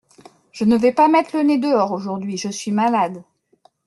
Je ne vais pas mettre le nez dehors aujourd'hui, je suis malade.